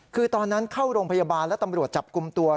คือตอนนั้นเข้าโรงพยาบาลและตำรวจจับกลุ่มตัว